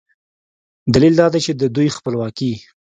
دلیل دا دی چې د دوی خپلواکي